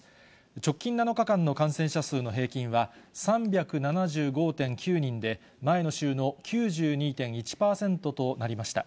直近７日間の感染者数の平均は３７５．９人で、前の週の９２．１％となりました。